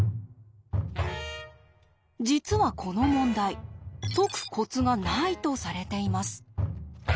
実はこの問題「解くコツがない」とされています。